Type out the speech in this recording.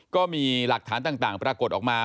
ก็มีหลักฐานต่างปรากฏออกมา